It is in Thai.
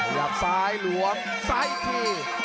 หยัดซ้ายหลวมซ้ายที